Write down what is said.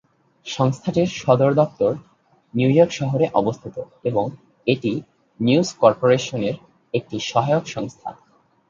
সংস্থাটির সদর দফতর নিউইয়র্ক শহরে অবস্থিত এবং এটি নিউজ কর্পোরেশনের একটি সহায়ক সংস্থা।